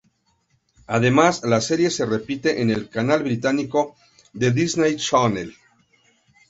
Además, la serie se repite en el canal británico de Disney Channel.